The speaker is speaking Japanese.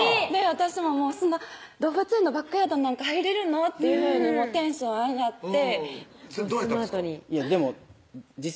私もそんな動物園のバックヤードなんか入れるの？っていうふうにテンション上がってどうやったんですか？